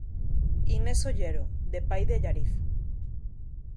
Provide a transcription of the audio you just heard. Inés Ollero, de pai de Allariz.